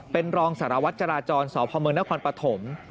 เป็นรองสารวัตรจราจรสพมนครปฐม